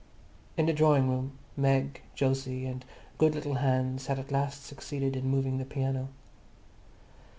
In the drawing room Meg, Jose and good little Hans had at last succeeded in moving the piano.